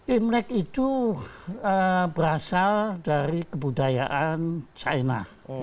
imlek itu berasal dari kebudayaan china